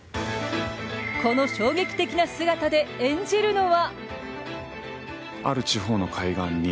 この衝撃的な姿で演じるのは。